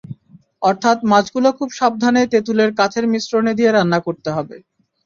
অর্থাৎ মাছগুলো খুব সাবধানে তেঁতুলের ক্বাথের মিশ্রণে দিয়ে রান্না করতে হবে।